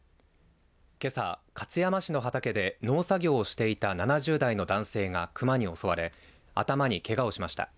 けさ勝山市の畑で農作業していた７０代の男性がクマに襲われ頭にけがをしました。